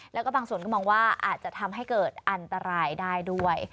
แล้วก็บางส่วนก็มองว่าอาจจะทำให้เกิดอันตรายได้ด้วย